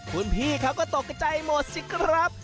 คุณพี่เขาก็ตกใจหมดสิครับ